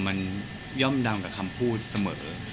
มันย่อมดำกับคำพูดเสมอ